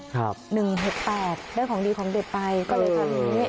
หนึ่งหกแปดได้ของดีของเด็ดไปก็เลยทำอย่างนี้